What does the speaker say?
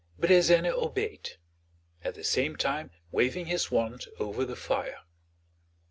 Brezène obeyed, at the same time waving his wand over the fire.